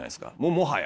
もはや。